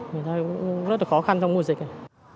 vì thế cũng rất là khó khăn trong mùa dịch này